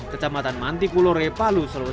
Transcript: kecamatan manti kulore palu selosan